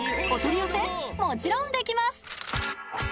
お取り寄せ、もちろんできます！